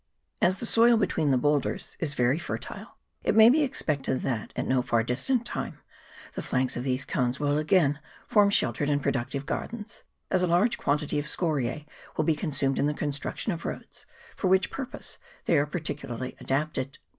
As the soil between the boulders is very fertile, it may be expected that, at no far distant time, the flanks of these cones will again form sheltered and productive gardens, as a large quantity of scorise will be consumed in the construction of roads, for which purpose they are particularly adapted.